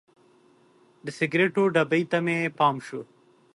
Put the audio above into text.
د سګریټو ډبي ته مې پام شو.